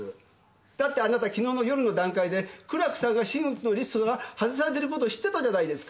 だってあなたきのうの夜の段階で苦楽さんが真打ちのリストから外されていることを知ってたじゃないですか。